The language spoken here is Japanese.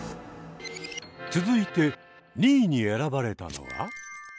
続いて２位に選ばれたのは？